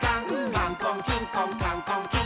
「カンコンキンコンカンコンキン！」